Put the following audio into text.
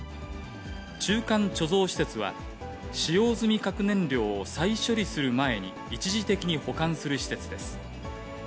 中間貯蔵施設は、使用済み核燃料を再処理する前に、一時的に保管する施設です。